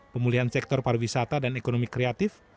pemulihan sektor pariwisata dan ekonomi kreatif